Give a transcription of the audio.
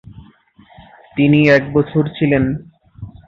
তিনি এক বছর ছিলেন।